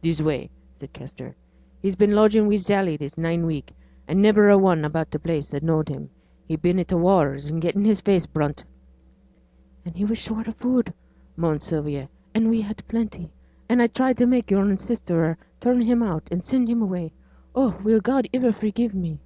'This way,' said Kester. 'He's been lodgin' wi' Sally this nine week, an' niver a one about t' place as knowed him; he's been i' t' wars an' getten his face brunt.' 'And he was short o' food,' moaned Sylvia, 'and we had plenty, and I tried to make yo'r sister turn him out, and send him away. Oh! will God iver forgive me?'